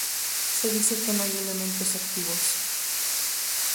Se dice que no hay elementos activos.